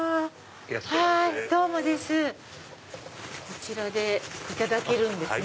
こちらでいただけるんですね。